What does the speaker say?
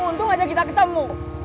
untung aja kita ketemu